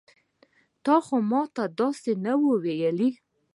تا خو ما ته داسې ونه ويل.